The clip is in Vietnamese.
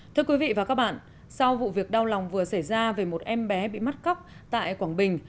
thưa quý vị và các bạn sau vụ việc đau lòng vừa xảy ra về một em bé bị mắt cóc tại quán trường